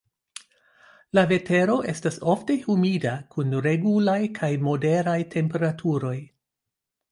La vetero estas ofte humida, kun regulaj kaj moderaj temperaturoj.